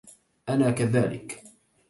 أنا كذلك